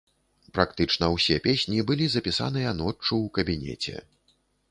Практычна ўсе песні былі запісаныя ноччу ў кабінеце.